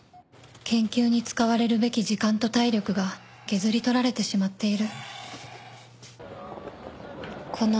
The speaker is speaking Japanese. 「研究に使われるべき時間と体力が削り取られてしまっている」